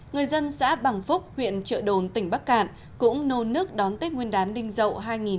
người dân xã bằng phúc huyện trợ đồn tỉnh bắc cạn cũng nôn nước đón tết nguyên đán đinh dậu hai nghìn một mươi bảy